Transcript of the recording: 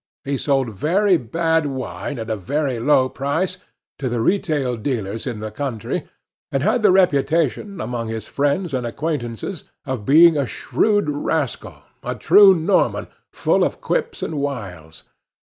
He sold very bad wine at a very low price to the retail dealers in the country, and had the reputation, among his friends and acquaintances, of being a shrewd rascal a true Norman, full of quips and wiles.